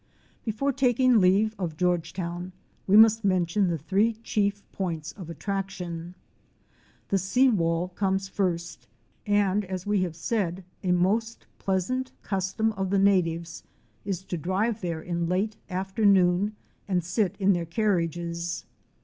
Before taking leave of Georgetown we must mention the three chief points of attraction. The sea wall comes first and, as we have said, a most pleasant custom of the natives is to drive there in late afternoon and sit in their carriages.